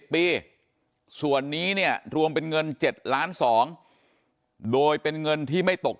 ปีส่วนนี้เนี่ยรวมเป็นเงิน๗ล้าน๒โดยเป็นเงินที่ไม่ตก